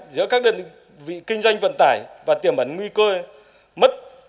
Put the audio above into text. giữa các đơn vị kinh doanh vận tải và tiềm ẩn nguy cơ mất